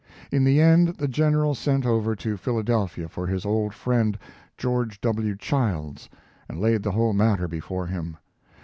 In the end the General sent over to Philadelphia for his old friend, George W. Childs, and laid the whole matter before him.